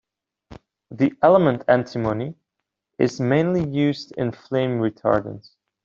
The element antimony is mainly used in flame retardants.